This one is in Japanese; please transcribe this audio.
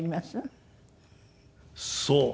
そう。